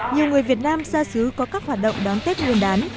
nhiều người việt nam xa xứ có các hoạt động đón tết nguyên đán